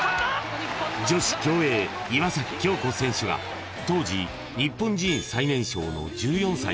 ［女子競泳岩崎恭子選手が当時日本人最年少の１４歳で金メダルを獲得］